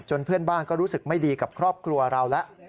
เพื่อนบ้านก็รู้สึกไม่ดีกับครอบครัวเราแล้ว